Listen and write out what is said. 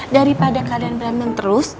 daripada kalian berantem terus